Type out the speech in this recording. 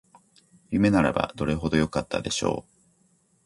夢ならばどれほどよかったでしょう